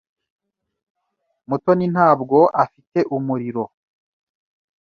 Mutoni ntabwo afite umuriro.